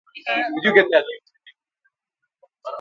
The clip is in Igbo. tinyere ọtụtụ uru ndị ọzọ ha bàrà.